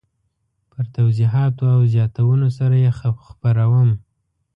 په توضیحاتو او زیاتونو سره یې خپروم.